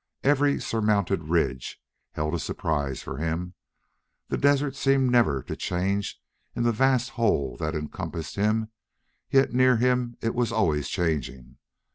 Every surmounted ridge held a surprise for him. The desert seemed never to change in the vast whole that encompassed him, yet near him it was always changing.